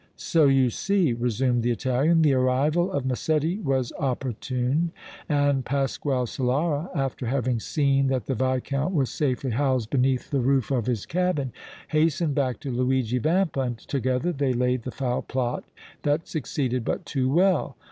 "So, you see," resumed the Italian, "the arrival of Massetti was opportune, and Pasquale Solara, after having seen that the Viscount was safely housed beneath the roof of his cabin, hastened back to Luigi Vampa and together they laid the foul plot that succeeded but too well.